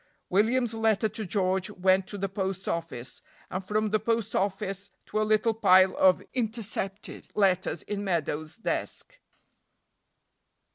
William's letter to George went to the post office, and from the post office to a little pile of intercepted letters in Meadows' desk.